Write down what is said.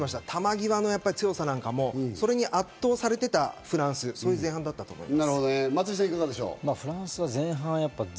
球際の強さなんかも、それに圧倒されてたフランス、そういう前半だったと思います。